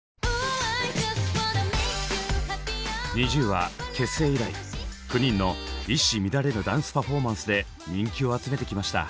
ＮｉｚｉＵは結成以来９人の一糸乱れぬダンスパフォーマンスで人気を集めてきました。